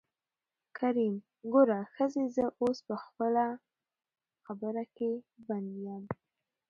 کريم : ګوره ښځې زه اوس په خپله خبره کې بند يم.